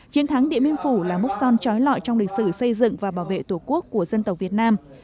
chiến thắng điện biên phủ là múc son trói lọi trong lịch sử xây dựng và bảo vệ tổ quốc của dân tộc việt nam